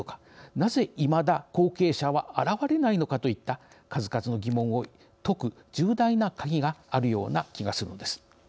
なぜ、いまだ後継者は現れないのかといった数々の疑問を解く重大な鍵があるような気がするのです。